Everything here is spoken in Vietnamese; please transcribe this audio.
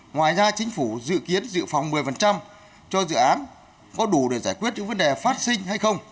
ngoài ra chính phủ dự kiến dự phòng một mươi cho dự án có đủ để giải quyết những vấn đề phát sinh hay không